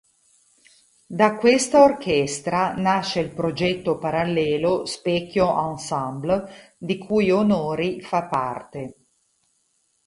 Da questa orchestra nasce il progetto parallelo "Specchio Ensemble", di cui Onori fa parte.